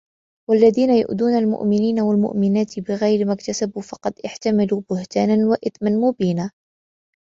والذين يؤذون المؤمنين والمؤمنات بغير ما اكتسبوا فقد احتملوا بهتانا وإثما مبينا